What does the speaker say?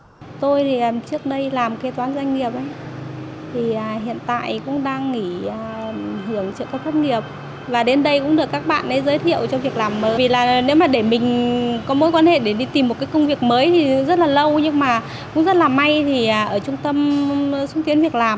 nếu là may thì ở trung tâm trung tiên việc làm này đã giới thiệu cho mình một công việc mới mình thấy rất là vui